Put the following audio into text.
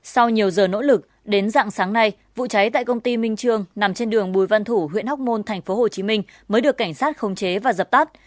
sau nhiều giờ nỗ lực đến dạng sáng nay vụ cháy tại công ty minh trương nằm trên đường bùi văn thủ huyện hóc môn tp hcm mới được cảnh sát khống chế và dập tắt